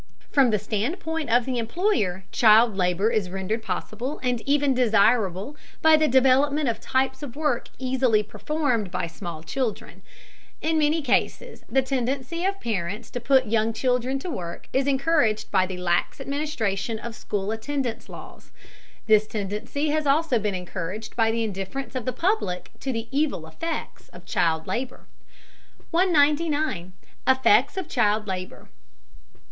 From the standpoint of the employer child labor is rendered possible and even desirable by the development of types of work easily performed by small children. In many cases the tendency of parents to put young children to work is encouraged by the lax administration of school attendance laws. This tendency has also been encouraged by the indifference of the public to the evil effects of child labor. 199. EFFECTS OF CHILD LABOR.